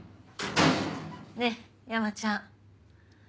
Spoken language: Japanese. ねぇ山ちゃん。